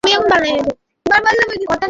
আমি সম্রাটের পিছু নিচ্ছি!